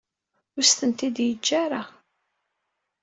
Ur as-tent-id-yeǧǧa ara.